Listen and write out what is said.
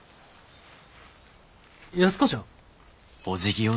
安子ちゃん？